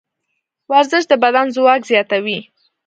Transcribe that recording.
ورزش د بدن ځواک زیاتوي.